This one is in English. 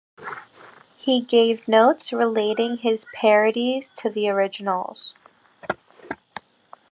He gave notes relating his parodies to the originals.